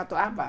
tôi áp vào